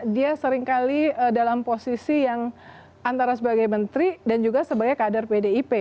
dia seringkali dalam posisi yang antara sebagai menteri dan juga sebagai kader pdip